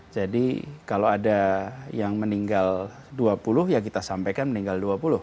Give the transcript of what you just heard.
jadi kalau ada yang meninggal dua puluh ya kita sampaikan meninggal dua puluh